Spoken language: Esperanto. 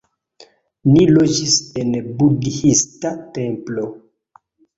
Ni loĝis en budhista templo